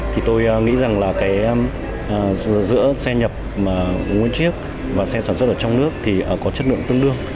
thì tôi nghĩ rằng là cái giữa xe nhập nguyên chiếc và xe sản xuất ở trong nước thì có chất lượng tương đương